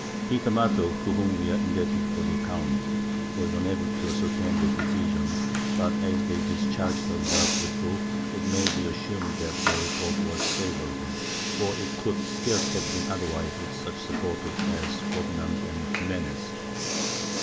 Peter Martyr, to whom we are indebted for the account, was unable to ascertain their decision but, as they discharged her without reproof, it may be assumed that their report was favorable, for it could scarce have been otherwise with such supporters as Ferdinand and Ximenes.